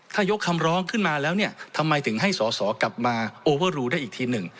ถ้ายกคำร้องขึ้นมาแล้วเนี่ยทำไมถึงให้สอสอกลับมาโอเวอร์รูได้อีกทีหนึ่ง